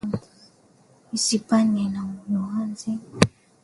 Hispania na Uholanzi ziliungana na kutangaza vita